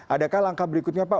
adakah langkah berikutnya pak